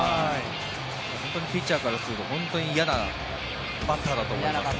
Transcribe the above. ピッチャーからすると本当に嫌なバッターだと思います。